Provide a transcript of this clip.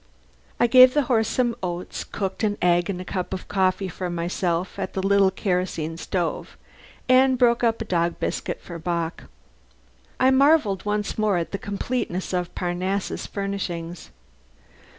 I gave the horse some oats, cooked an egg and a cup of coffee for myself at the little kerosene stove, and broke up a dog biscuit for Bock. I marvelled once more at the completeness of Parnassus' furnishings.